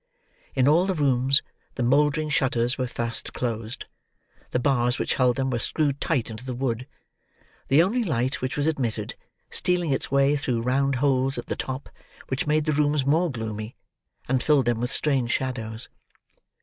In all the rooms, the mouldering shutters were fast closed: the bars which held them were screwed tight into the wood; the only light which was admitted, stealing its way through round holes at the top: which made the rooms more gloomy, and filled them with strange shadows.